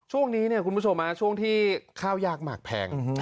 ช่วงนี้เนี่ยคุณผู้ชมช่วงที่ข้าวยากหมากแพง